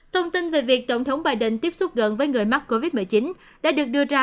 thông tin về việc tổng thống biden tiếp xúc gần với người mắc covid một mươi chín đã được đưa ra